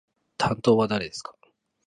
担当は誰ですか？